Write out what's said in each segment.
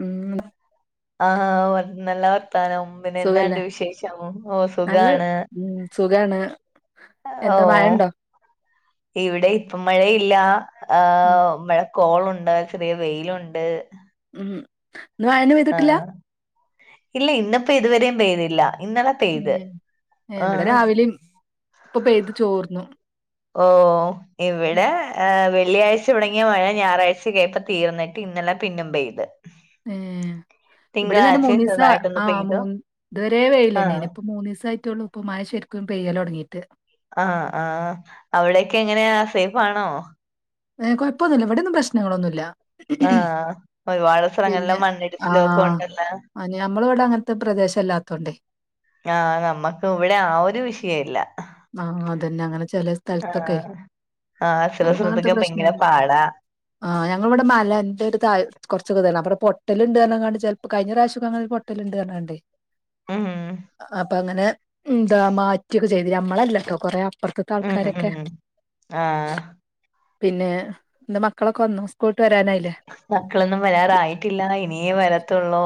ഉം. ആഹ് ഒ നല്ല വർത്താനം പിന്നെ സുഖല്ലേ എന്നാണ്ട് വിശേഷം ഓ നല്ല സുഖാണ്. ഉം സുഖാണ്. ഓ എന്താ മഴണ്ടോ ഇവിടെ ഇപ്പം മഴയില്ല. ഉം ആഹ് മഴ കോളുണ്ട് ചെറിയ വെയിലുണ്ട് ഉം ഹ് ആഹ ഇല്ല ഇന്ന്പ്പോ ഇതുവരേം പെയ്തില്ല ഇന്നലെ- പെയ്ത് ഏ ഇവടെ ആഹ് രാവിലിം പ്പൊ പെയ്ത് ചോർന്നു. ഓ ഇവിടെ ഏഹ് വെള്ളിയാഴ്ച തുടങ്ങിയ മഴ ഞായറാഴ്ചകെ ആയപ്പം തീർന്നിട്ട് ഇന്നലെ പിന്നും പെയ്ത്. ഏഹ് ഇവടെ തന്നെ തിങ്കളാഴ്ചയും മൂന്നീസ ചെറുതായിട്ടൊന്ന് ആ പെയ്തു മൂന്ന് ഇതുവരെ ആഹ് വെയിലെന്നെയ്ന് ഇപ്പൊ മൂന്നീസായിട്ടൊള്ളു ഇപ്പോ മഴ ശരിക്കും പെയ്യൽ തുടങ്ങിയിട്ട് ആഹ് ആഹ് അവിടൊക്കെ എങ്ങനെയാ സേഫാണോ എ കൊഴപ്പൊന്നുല്ല ഇവിടൊന്നും പ്രശ്നങ്ങളൊന്നുല്ല ആ ഒരുപാട് സ്ഥലങ്ങളിലും മണ്ണിടിച്ചിലും ഒക്കെ ഒണ്ടല്ലോ ആ ഞമ്മള് വടെ അങ്ങൻത്തെ പ്രദേശല്ലാത്തോണ്ടേ ആ നമ്മക്ക് ഇവിടെ ആ ഒരു വിഷയല്ല ആ അതെന്നെ അങ്ങനെ ചെലേ സ്ഥലത്തൊക്കെ ആ ചെല സ്ഥലത്തൊക്കെ ഭയങ്കര പാടാ ആ ഞങ്ങള് ഇവിടെ മലന്റെ ഒരു താഴെ കൊർച്ചൊക്കെ ഇതാണ് അ പടെ പൊട്ടലുണ്ട്ർഞ്ങ്ങാണ്ട് ചെൽപ്പോ കയ്ഞ്ഞ പ്രാശ്യോക്കെ അങ്ങനൊരു പൊ ട്ടല്ണ്ട്ർഞാണ്ടെ ഉം അപ്പൊ അങ്ങനെ എന്താ മാറ്റിയൊക്കെ ചെയ്തി നമ്മളല്ല ട്ടോ കൊറേ അപ്രത്ത്ത്തെ ഉം ഉം ആൾക്കാരൊക്കെ ആഹ് പിന്നെ ന്താ മക്കളൊക്കെ വന്നോ സ്കൂളുട്ട് വരാനായില്ലേ മക്കളൊന്നും വരാറായിട്ടില്ല ഇനിയേ വരത്തുള്ളൂ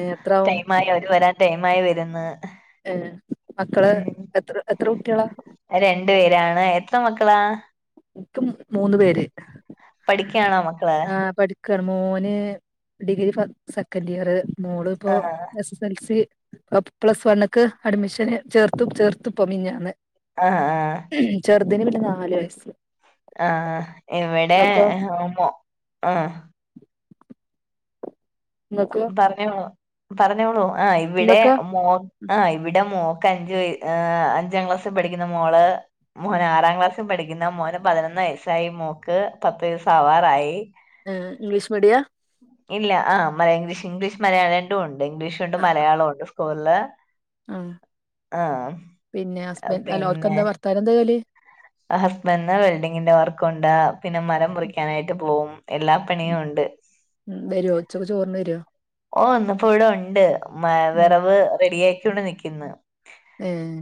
ഏഹ് എത്രാവും ടൈമായി അവര് വരാൻ ടൈമായി വരുന്ന് ഏഹ് മക്കള് എത്ര എത്ര കുട്ടികളാ രണ്ട് പേരാണ് എത്ര മക്കളാ ഇപ്പ മൂന്ന് പേര് പഠിക്കാണോ മക്കള് ആഹ് പഠി മോന് ഡിഗ്രി സെക്കൻഡ് ഇയർ മോള് ഇപ്പോ ആഹ് എൽ സി അപ് പ്ലസ് വണ്ണ്ക്ക് അഡ്മിഷന് ചേർത്തും ചേർത്തുപ്പോ മിഞ്ഞാന്ന് അ ഹ ചെറുതിന് പിന്നെ നാല് വയസ്സ് ആ ഇവടെ ഇങ്ങക്കോ [unintelligible] ആ ഇങ്ങക്ക് പറഞ്ഞോ പറഞ്ഞോളൂ ആഹ് ഇവിടെ ഇങ്ങക്കോ മോ ഉം ആഹ് ഇവിടെ മോക്ക് അഞ്ച് വയ അഞ്ചാം ക്ലാസ്സിൽ പഠിക്കുന്ന മോള് ഉം മോൻ ആറാം ക്ലാസ് ട്ട് പഠിക്കുന്ന മോന് പതിനൊന്ന് വയസ്സായി മോക്ക് പത്ത് വയസ്സാവാറായി ഉം ഇംഗ്ലീഷ് മീഡിയ ഇല്ല ആഹ് ഇംഗ്ലീഷ് ഇംഗ്ലീഷ് മലയാള രണ്ടുമുണ്ട് ഇംഗ്ലീഷുണ്ട് മലയാളവുണ്ട് സ്കൂളില് ആ ആ പിന്നെ ഹസ്ബൻ അല്ല ഓർക്കെന്താ ഭർത്താവിനെന്താ ജോലി ഹസ്ബൻഡ് വെൽഡിങ്ങിന്റെ വർക്കുണ്ട് പിന്നെ മരം മുറിക്കാനായിട്ട് പോവും എല്ലാ ഉം പണിയുണ്ട് വരോ ഉച്ചക്ക് ചോറിന് വരോ? ഓ ന്ന്പ്പോ വടൊണ്ട് മ വെറവ് റെഡി ആയിക്കൊണ്ട് നിക്കിന്നു ഏഹ്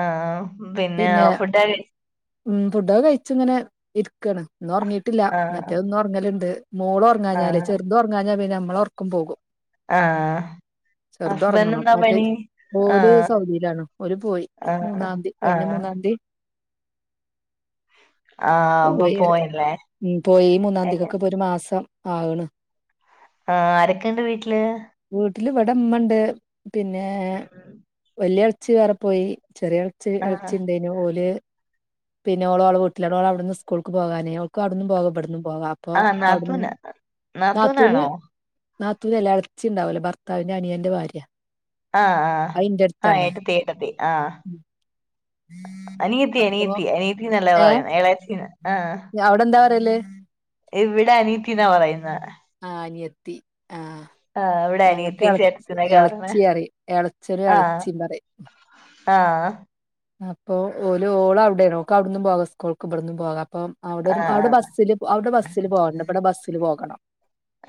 ആഹ് ആഹ് പിന്നെ ഫുഡൊക്കെ കഴി ഉം ഫുഡൊക്കെ കയ്ച്ച്ങ്ങനെ ഇരിക്കാണ് ന്ന് ഒറങ്ങിട്ടില്ല ആ മറ്റേതെന്നൊറങ്ങല്ണ്ട് മോളൊർ ങ്ങാഞ്ഞാല് ആഹ് ചെർതൊർങ്ങാഞ്ഞാ പിന്നെ ഞമ്മളൊർക്കം പോകും ആ ചെർതൊറങ്ങണം മറ്റേ ഓല് ആഹ് സൗദിലാണ് ഓല് പോയി ആഹ് മൂന്നാന്തി കയ്ഞ്ഞ ആഹ് മൂന്നാന്തി ആഹ് അപ്പൊ പോയി പറയാ പോയല്ലേ ഉം പോയി എങ്ങ മൂന്നാന്തിക്കക്ക് പ്പൊരു മാസം ആക്ണ് ആ ആരൊക്കെണ്ട് വീട്ട്ല് വീട്ടില് ഇവടെ മ്മണ്ട് പിന്നെ ഉം വല്യെ ച്ചി വേറെ പോയി ചെറിയ ഇളച്ചി ആഹ് ഇളച്ചിയിണ്ടേയ്നു ഓല് പിന്നെ ഓള് ഓളെ വീട്ട്ലാണ് ഓളവ്ട്ന്ന് സ്കൂൾക്ക് പോകാനേ ഓൾക്ക് അവ്ട്ന്നും പോവ ഇവ്ട്ന്നും പോവാ അപ്പൊ ആഹ് നാത്തൂന അവ്ട്ന്ന് നാത്തൂന് നാത്തൂനാണോ നാത്തൂനല്ല എളച്ചിണ്ടാവുലെ ഭർത്താവിന്റെ അനിയന്റെ ഭാര്യ ആഹ് ആഹ് അത് ഇന്റെ ആ അടുത്താണ് എട്ടത്തി എട്ടത്തി ആഹ് അനിയത്തി അപ്പൊ അനിയത്തി അനിയത്തി നെല്ലെ ഏ പറയ്ന്നെ എളേച്ചിന്ന് ആ അവിടെ എന്താ പറയല് ഇവിടെ അനീത്തിന്നാ പറയുന്നെത് ആഹ് അനിയെത്തി ആഹ് ആഹ് അവിടെ അനിയത്തി ചേർക്ക്ന്നല്ലെ പറഞ്ഞേ ഇളച്ചി പറയും ഇളച്ചനും ആഹ് ഇളച്ചിയും പറയും ആഹ് അപ്പൊ ഓല്ഓള് അവിടെയേനു ഓക്ക് അവിടുന്നും പോകാം സ്കൂൾക്ക് ഇവിടുന്നും പോകാം അപ്പൊ അവിടെ ആഹ് അവിടെ ആഹ് ബസ്സില് അവിടെ ബസ്സിൽ പോകണ്ട ഇവിടെ ബസ്സില് പോകണം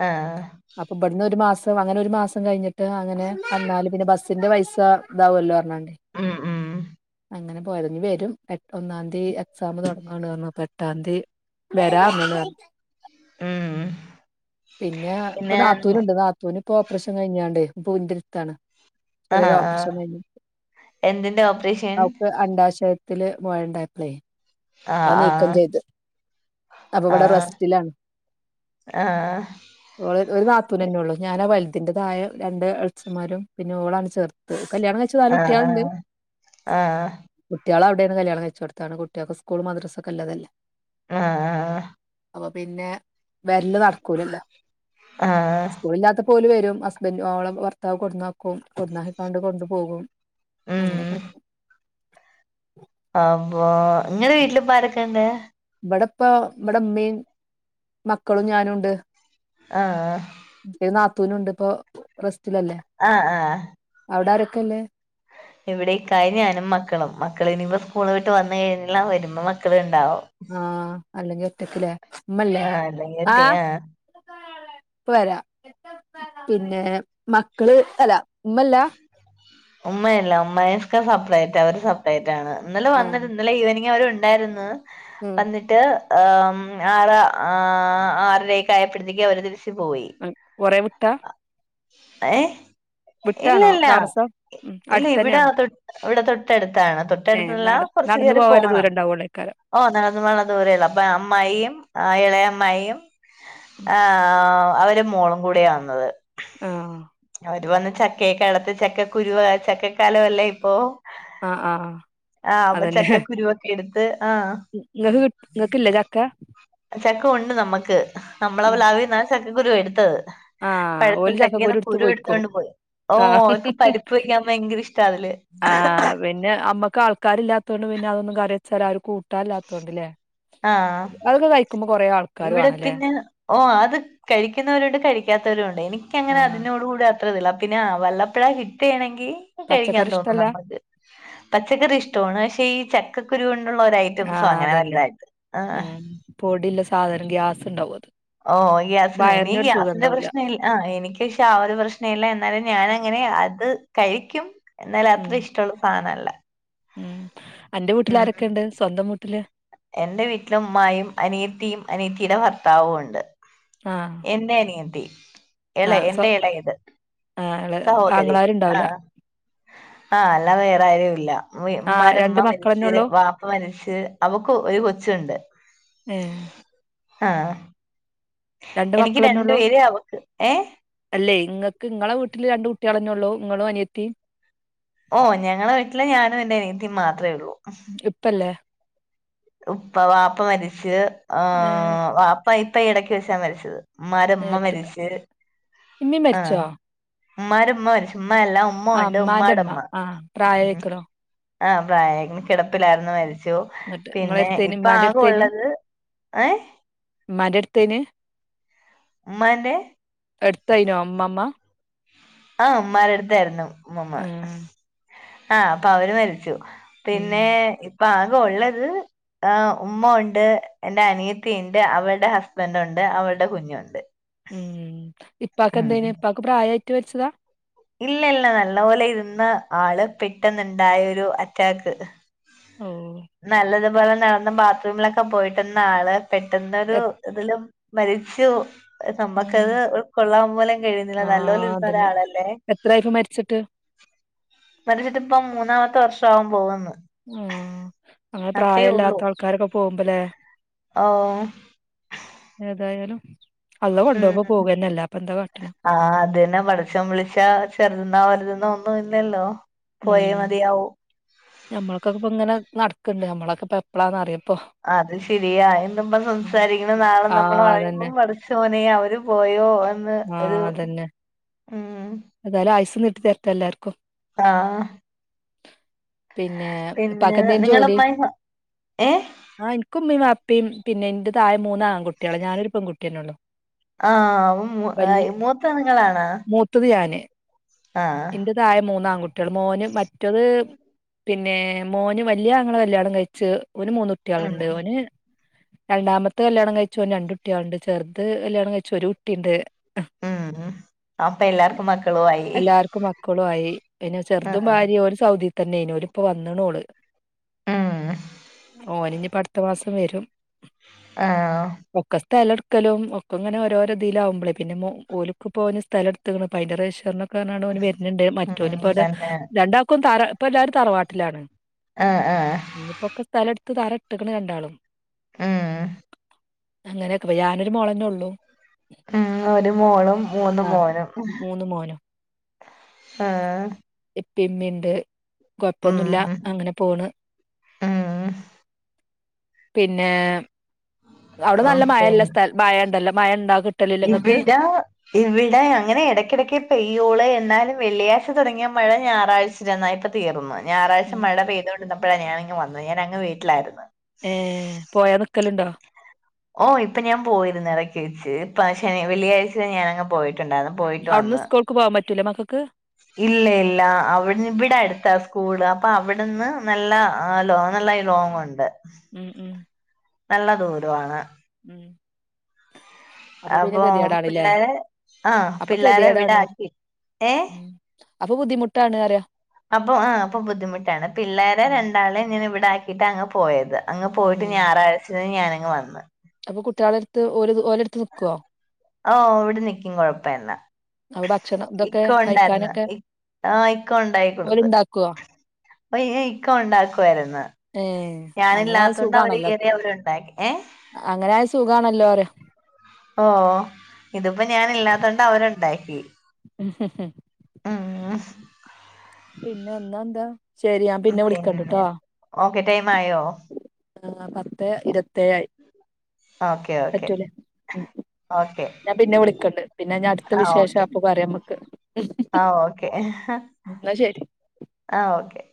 ആഹ് ഇബ്ട്ന്ന് ഒരു മാസം അങ്ങനെ ഒരു മാസം കഴിഞ്ഞിട്ട് അങ്ങനെ വന്നാല് പിന്നെ ബസ് തിന്റെ പൈസ ഇതാവുല്ലോ പറഞ്ഞാണ്ടേ മ് മ് അങ്ങനെ പോയതാ ഇനി വരും എ ഒന്നാംന്തി എക്സാം തുടങ്ങാണ് റഞ്ഞു അപ്പ എട്ടാംന്തി വരാ റ്ഞ്ഞ്ണ് ഉം പിന്നെ ഇപ്പൊ നാത്തൂന്ണ്ട് നാ പുനിപ്പോ ഓപറേഷൻ കഴിഞ്ഞാണ്ടേ പുന്തിൽത്താണ് ആഹ് ആഹ് എന്തിന്റെ ഓപ്പറേ അവക്ക് അണ്ടാശയത്തില് മൊഴയൊണ്ടായപ്പളെ അത് നീക്കം ആഹ് ചെയ്ത് അപ്പൊവിടെ ആഹ് റെസ്റ്റിലാണ് ആഹ് ഓള് ഒരു നാത്തൂനന്നെ ഒള്ളൂ ഞാനാ വലുത്തിന്റെ താഴെ രണ്ട് എളേച്ചിമാരും പിന്നെ ഓളാണ് ചേർത് കല്യാണം കഴി ച്ചു ആഹ് വാലുട്ട്യാള്ണ്ട് ആഹ് ആഹ് കുട്ടിള് അവിടെയാണ് കല്യാണം കഴിച്ചോടുത്താണ് കുട്ടിയക്ക് സ്കൂൾ മദ്രസൊക്കെള്ളതല്ലെ ആഹ് അ അപ്പൊ പിന്നെ വെരല് നടക്കൂലല്ലോ ആഹ് സ്കൂളില്ലാത്തപ്പോ ഓല് വരും ഹസ്ബൻറും ഓളെ ഭർത്താവ് കൊണ്ടന്നാക്കും കൊടന്നാക്കിക്കാണ്ട് കൊണ്ടുപോകും ഉം അങ്ങനെയൊക്കെ പാമ്പോ ഇങ്ങടെ വീട്ടിലിപ്പാരൊക്കെണ്ട് ഇവിടെപ്പൊ ഇവടുമ്മേം മക്കളും ഞാനുണ്ട് ആഹ് ആ [unintelligible] നാത്തൂനുണ്ട് ഇപ്പൊ റെസ്റ്റിലല്ലേ ആഹ് ആഹ് അവിടെ ആരൊക്കെള്ളെ ഇവിടേക്കായും ഞാനും മക്കളും മക്ക ളിനിപ്പോ സ്കൂള് വിട്ട് വന്ന് കഴിഞ്ഞില്ല വരുമ്പം മക്കള്ണ്ടാവും ആഹ് അല്ലെങ്കി ഒറ്റക്കില്ലെ ഉമ്മല്ലേ ആഹ് അല്ലെങ്കി ആ ഒറ്റ ആഹ് പ്പവരാ പിന്നെ മക്കള് അല്ല ഉമ്മല്ല ഉമ്മയില്ല ഉമ്മയിസ്ക്ക സപ്രറ്റാ അവര് സ ഡേറ്റാണ് ഇന്നലെ ആഹ് വന്നിര് ഇന്നലെ ഈവനിങ് അവരുണ്ടാരുന്നു ഉം വന്നി ട്ട് ആറ് ആറരയൊക്കെയായ പ്പഴത്തേക്ക് അവര് തിരിച്ച് പോയി കൊറെ വിട്ടാ എ വിട്ടാണോ ഇല്ലില്ല താമസം ഉം ഇല്ല ഇവിടെ അടുത്തന്നെയാണോ തൊ ഇവിടെ തൊട്ടടുത്താണ് തൊട്ടടുത്തല്ല കുറച്ച് നടന്ന് കയറി പോവല്ലേ പോണം ദൂരണ്ടാവുള്ളേക്കാരം ഓ നടന്നു പോവാനുള്ള ദൂരേള്ളൂ അപ്പൊ അമ്മായിയും എളേയമ്മായിയും ആഹ് അവരെ മോളും കൂടിയാ വന്നത് ആഹ് അവര് വന്ന് ചക്കയൊക്കെ എളത്ത് ചക്ക കുരുവ ചക്കക്കാലവല്ലേ ഇപ്പൊ ആഹ് ആഹ് ആഹ് അപ്പ ചക്കക്കുരുവൊക്കെ എടുത്ത് ആഹ് ങ്ങക്ക് കിങ്ങക്ക് ഇല്ലേ ചക്ക ചക്ക ഒണ്ട് നമ്മക്ക് നമ്മളെ ഉം പ്ലാവിന്നാ ചക്കക്കുരു എടുത്തത് ആഹ് പഴുത്ത ഓല് ചക്കേന്ന് ചക്കക്കുരു ത്ത് കുരു പോയ്ക്കോ എടുത്തോണ്ട് പോയി ഓ ആഹ് അവർക്ക് ഹ് ഹ് ഹ് പരിപ്പ് വെക്കാൻ ഭയങ്കര ഇഷ്ടാ അതില് ഹ് ആഹ് പിന്നെ അമ്മക്ക് ആൾക്കാരില്ലാത്ത കൊണ്ട് പിന്നെ അതൊന്നും കറി വെച്ചാലാരും കൂ ട്ടാലാത്തകൊണ്ട്ലെ ആഹ് അതൊക്കെ കഴിക്കുമ്പോ കൊറേ ആൾ ഇവിടെ പിന്നെ ഓ അത് കഴിക്കുന്നവരുണ്ട് കഴിക്കാത്തവരുണ്ട് എനിക്കങ്ങനെ ആഹ് അതിനോട് കൂടെ അത്രതില്ല പിന്നെ വല്ലപ്പഴാ കിട്ടീണങ്കി കഴിക്കാൻ പച്ചക്കറി തോന്നു ഇഷ്ടല്ല നമ്മക്ക് പച്ചക്കറി ഇഷ്ട്ടാണ് പഷെ ഈ ചക്കക്കുരു കൊണ്ടുള്ള ഒരഐറ്റംസോ ആഹ് അങ്ങനെ അതന്നെ വല്തായിട്ട് ആ്ഹ് ഉം പൊടില്ല സാധനം ഗ്യാസ് ഇണ്ടാവുത് ഓ ഗ്യാസിന് ന്ക്യീ ഗ്യാസിന്റെ പ്രശ്നില് ആഹ് എനിക്ക്ഷാ ഒരു പ്രശ്നില്ല എന്നാലും ഞാനങ്ങനെ അത് കഴിക്യും എന്നാലും അത്ര ഉം ഇഷ്ടുള്ള സാനല്ല ഉം അന്റെ വീട്ടില് ആരൊക്കെണ്ട് സ്വന്തം വീട്ടില് എന്റെ വീട്ടില് ഉമ്മായും അനിയത്തിം അനിയത്തിടെ ഭർത്താവും ഉണ്ട് ആഹ് എന്റെ അനിയത്തി എള ആഹ് സ്വ എന്റെ എളയത് ആഹ് സഹോദരി ആങ്ങളാരുണ്ടാവൂല ആഹ് ആഹ് അല്ലാവെ വേറാരല്ല ആഹ് ഇമ്മാരെ ഇമ്മ രണ്ട് മരിച്ച് മക്കളെന്നൊള്ളൂ വാപ്പ മരിച്ച് അവക്ക് ഒരു കൊച്ചുണ്ട് ഏ ആഹ് രണ്ട് എനിക്ക് രണ്ടു മക്കളെന്നെള്ളു പേര് അവക്ക് ഏഹ് അല്ലേ ഇങ്ങക്ക് ഇങ്ങളെ വീട്ടില് രണ്ട് കുട്ടിയാളെന്നെ ഉള്ളൂ ഇങ്ങളും അനിയത്തി ഓ ഞങ്ങളെ വീട്ടില് ഞാനും എന്റെ അനിയത്തിം മാത്രേ ഒള്ളൂ ഇപ്പല്ലേ ഉപ്പ വാപ്പ മരിച്ച് ഏഹ് ആഹ് വാപ്പ ഇപ്പ ഇടക്ക് വെച്ചാ മരിച്ചത് ഇമ്മാരെ ഇമ്മ ഏഹ് ത് മരിച്ച് ഇമ്മീം ആഹ് മരിച്ചോ ഇമ്മാരെ ഇമ്മ മരിച്ചു ഇമ്മയല്ല ഉ ഉമ്മ ആഹ് ഉണ്ട് ഇമ്മാന്റെ ഇമ്മ ഉമ്മാടമ്മ ആഹ് ഉം പ്രായായിക്ക്ണോ ആഹ് പ്രായാക്ക്‌ണ് കിടപ്പിലായിരുന്നു മരിച്ചു എന്നിട്ട് ഇങ്ങളെ പിന്നെ അടുത്തേന് ഇപ്പ ഇമ്മാന്റെ ആകെ ഉള്ളത് ഏഹ് ഇമ്മാന്റെട്ത്തെന് ഉമ്മാന്റെ എടുത്തായിനോ അമ്മമ്മ ആഹ് ഉമ്മാരെടുത്തായിരുന്നു ഉമ്മമ്മ ആഹ് ആഹ് അപ്പൊ അവര് മരിച്ചു ഉം പിന്നെ ഇപ്പൊ ആകെ ഉള്ളത് ആഹ് ഉമ്മ ഉണ്ട് എന്റെ അനിയത്തിണ്ട് അവള്ടെ ഹസ്ബൻറ്ണ്ട് അവള്ടെ കുഞ്ഞുണ്ട് ഉം ഇപ്പാക്ക് ഉം എന്തേന് ഇപ്പാക്ക് പ്രായായിട്ട് മര്ച്ചതാ ഇല്ല ഇല്ല നല്ല പോലെ ഇരുന്ന ആള് പെട്ടന്ന്ണ്ടായൊരു അറ്റാക്ക് ഉം നല്ലതുപോലെ നടന്ന ബാത്റൂമിലൊക്കെ പോയിട്ട്ന്ന ആള് പെട്ടെന്നൊരു എത് ഇതിലും മരിച്ചു ഉം നമ്മക്കത് ഉൾകൊള്ളാം പോലും കഴിയുന്നില്ല നല്ലോല ആഹ് ഇരുന്ന അതന്നെ ഒരാളല്ലേ എത്രായി ഇപ്പ മരിച്ചിട്ട് മരിച്ചിട്ട്പ്പം മൂന്നാമത്തെ വർഷാവാം പോവുന്ന് ഉം അങ്ങനെ ഉള്ളൂ പ്രായല്ലാത്ത ആൾക്കാരൊക്കെ പോവുമ്പലേ ഓഹ് ഏതായാലും അള്ള കൊണ്ടോഉമ്പോ ഉം പോകന്നെ അല്ലാഎപ്പെന്താ കാട്ട്ണ് ആഹ് അതന്നെ പടച്ചോൻ വിളിച്ചാ ചെറുതന്നാ വലുതന്നോ ഒന്നും ഇല്ലല്ലോ പോയേ ഉം മതിയാവൂ ഞമ്മളക്കൊക്കെ ഇപ്പ ഇങ്ങനെ നടക്ക്‌ണ്ട് ഞമ്മളൊക്കെ എപ്പ അത് ശെരിയാ എന്ത്പം ഉം സംസാരിക്കണ നാളെ ആഹ് അതന്നെ നമ്മളായിരിക്കും പടച്ചോനെഅവര് പോയോ എന്ന് ഒരു ഉം ഏതാലും ആയ്സ്സ് നീട്ടിത്തരട്ടെ എല്ലാര്ക്കും ആഹ് പിന്നെ പിന്നെ ഇപ്പാക്ക്ന്തേനി നിങ്ങളെ ജോലി ഉമ്മായും ഏഹ് ആഹ് ഇന്ക് ഇമ്മിം വാപ്പിം പിന്നെ ഇന്റെ തായ മൂന്നാങ്കുട്ടിയാള ഞാനൊരു പെങ്കുട്ടിയന്നെള്ളു ആഹ് മു മൂത്തത് നിങ്ങളാണൊ [unintelligible] ഞാന് ആഹ് തായേ മൂന്നാൺകുട്ടിയാള് മോന് മറ്റത്. പിന്നെ മോന് വല്യാ അങ്ങളെ കല്യാണം കഴിച്ച് ഓന് മൂന്ന് ഉം കുട്ടികളുണ്ട് ഓന് രണ്ടാമത്തെത് കല്യാണം കഴിച്ചോന് രണ്ട് കുട്ടിയയാൾണ്ട് ചെറുത് കല്യാണം കഴിച്ചു ഒരു കു ട്ടിണ്ട് ഉം അപ്പൊ എല്ലാർക്കും മക്കളും ആയി. ക്കും മക്കളു ആയി പിന്നെ ചെറുതും ആഹ് ഭാര്യ ഒരു ഒരു സൗദി തന്നെ ഒര് ഇപ്പൊ വന്നേണോള്. ഉം ഓനിനിപ്പോ അടുത്ത മാസം വരും. ആഹ് ഒക്കെ സ്ഥലടുക്കലും ഒക്കെ ഇങ്ങനെഓരോരോ ഇതിലകുമ്പോളേ പിന്നെ മൊ ഓലുക്ക് പോലു സ്ഥല ത്തക്ക്ണ് അപ്പൊ അതിന്റെ റെയ്ശേരിനൊക്കെ ന് വരണ്ട് മറ്റോന് ഉം ഇപ്പങ്ങട് തന്നെ രണ്ടാക്കും തറ ഇപ്പ എല്ലാവരും തറവാട്ടിലാണ്. ആഹ് ആഹ് ഇനിയിപ്പോക്കെ സ്ഥലടുത്ത് തറട്ട്ക്കുണ് രണ്ടാളും. ഉം അങ്ങനെയൊക്കെ ഞാനൊരു മോളന്നേ ഉള്ളൂ. ഉം ഒരു മോളും മൂന്ന് മോനും. ഒന്ന് മോനും. ഓഹ്.. ഇപ്പിമ്മിണ്ട് കൊയപ്പൊന്നുല്ല ഉം അങ്ങനെ പോണ്. പിന്നെ അവിടെ ഉം നല്ല മഴല്ല സ്ഥല മഴ ഇണ്ടല്ലോ മഴ ഉണ്ടാ? കിട്ടലില്ലേ ഇങ്ങക്ക് നിർത്തീട്ടാ.. ഇവിടെ അങ്ങനെ ഇടയ്ക്കിടയ്ക്ക് പെയ്യൂള്ള് എന്നാലും വെള്ളിയാഴ്ച തുടങ്ങിയ മഴ ഞായറാഴ്ച്ചേരിന്നായ പ്പ തീർന്നു ഞായറാഴ്ച ഉം മഴ പെയ്തുകൊണ്ടിന്നപ്പോഴാണ് ഞാനിങ് വന്നു ഞാന അങ് വീട്ടിലായിരുന്നു. ഏഹ് പോയാ നിക്കലുണ്ടോ? ഓഹ് ഇപ്പൊ ഞാൻ പോയിരുന്നു ഇടക്കി വെച്ച് ഇപ്പ ശ വെള്ളിയാഴ്ച ഞാനങ് പോയിട്ടുണ്ടായിരുന്നു പോയിട്ട് അവുന്ന് വന്ന് സ്കൂൾക്ക് പോവാൻ പറ്റൂല്ലേ മക്കൾക്ക്. ഇല്ല ഇല്ല അവിടു ഇവിടെ അടുത്താ സ്കൂള് അപ്പൊ അവിടെന്ന് നല്ല ലോങൊള്ളേ ഒണ്ട്. ഉം ഉം നല്ല ദൂരവാണ്. ഉം അപ്പൊ പിന്നെ അതാ ഗതികേടാണ്ല്ലേ പിള്ളേരെ ആഹ് അപ്പൊ പിള്ളേരെ ഇവിടെ ഗതികേടാണ് പറയും. ആക്കി. ഏഹ് ഉം അപ്പൊ ബുദ്ധിമുട്ടാണ് പറയാ അപ്പൊ ആഹ് അപ്പൊ ബുദ്ധിമുട്ടാണ് പിള്ളേരെ ര ഉം ണ്ടാളെ ഞാന് ഇവിടാക്കിയിട്ട് അങ് പോയത് അങ്ങ് പോയിട്ട് ഉം ഞായറാഴ്ചന്ന് ഞാനിങ് വന്നു. അപ്പൊ കുട്ടികളുടെ ടുത്ത് ഒല് ഓലടുത്ത് നിക്കുവോ? ഓഹ് ഇവിടെ നിക്കും കൊഴപ്പല്ല. അപ്പ ഭക്ഷണം ഇതൊക്കെ ഇക്ക ഉണ്ടായിരുന്നു കഴിക്കാനൊക്കെ ആഹ് ഓലെ ഇണ്ടാക്കുവോ? യ്യ് ഇക്ക ണ്ടാക്കുവായിരുന്നു. ഏ അങ്ങനായ ഞാനില്ലാത്തൊണ്ട് അവര് സുഖാണല്ലോ കേയറിയെറങി അവരുണ്ടാക്കി ഏഹ് അങ്ങനായ സുഖാണല്ലോ പറയാ ഓഹ് ഇതിപ്പോ ഞാനില്ലാത്തൊണ്ട് അവരൊണ്ടാക്കി. [unintelligible] ഉം ഹ് പിന്നെ എന്നാ എന്താ? ശരി ഞാൻ ഉം പിന്നെ വിളിക്കണ്ട്ട്ടോ ഓക്കെ ടൈം ആയോ? ആഹ് പത്തേ ഇരുപത്തേഴായി ഓക്കെ ഓക്കെ പറ്റൂല്ലേ ഉം ഓക്കെ ഞാൻ പിന്നെ വിളിക്കണ്ട് പിന്നെ ഞാൻ അടുത്ത വിശേഷ ഓക്കെ അപ്പൊ പറയാമ്മക്ക്. ആഹ് ഓക്കെ ശരി ആഹ് ഓക്കെ